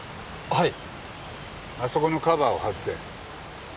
はい。